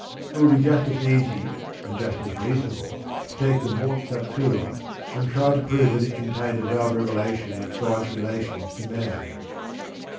It would be just as easy and just as reasonable to take the Morte d'Arthur and try to prove that it contained a veiled revelation of God's relations to man.